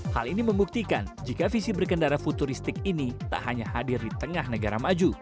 hal ini membuktikan jika visi berkendara futuristik ini tak hanya hadir di tengah negara maju